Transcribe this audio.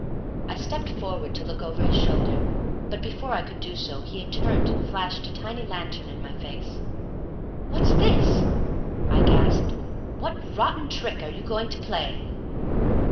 I stepped forward to look over his shoulder, but before I could do so he had turned and flashed a tiny lantern in my face. "What's this?" I gasped. "What rotten trick are you going to play?"